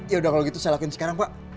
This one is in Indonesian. yaudah kalau gitu saya lakuin sekarang pak